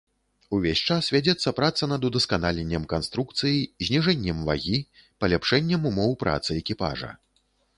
Увесь час вядзецца праца над удасканаленнем канструкцыі, зніжэннем вагі, паляпшэннем умоў працы экіпажа.